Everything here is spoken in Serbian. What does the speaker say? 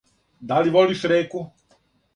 Да ли волиш реку?